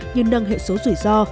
như nâng hệ số rủi ro